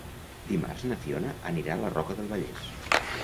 Dimarts na Fiona anirà a la Roca del Vallès.